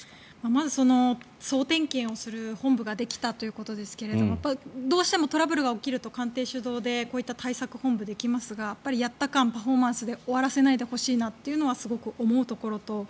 まず総点検をする本部ができたということですけれどもどうしてもトラブルが起きると官邸主導でこういった対策本部ができますがやった感、パフォーマンスで終わらせないでほしいなというのはすごく思うところと。